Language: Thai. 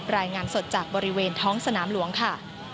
รายงานสดจากบริเวณท้องสนามหลวงค่ะ